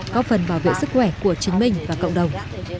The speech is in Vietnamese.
có phần bảo vệ sức khỏe của chính mình và cộng đồng